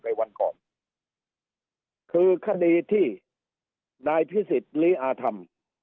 วันก่อนคือคดีที่นายพิสิทธิ์ลีอาธรรม